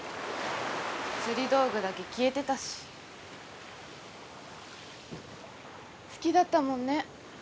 釣り道具だけ消えてたし好きだったもんね